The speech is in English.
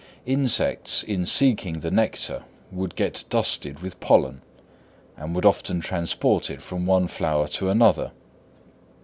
Insects in seeking the nectar would get dusted with pollen, and would often transport it from one flower to another.